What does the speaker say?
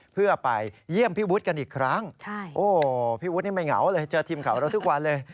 เพื่อไปเยี่ยมพี่วุฒิกันอีกครั้งโอ้พี่วุฒินี่ไม่เหงาเลยเจอทีมข่าวเราทุกวันเลย